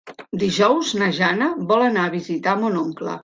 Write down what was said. Dijous na Jana vol anar a visitar mon oncle.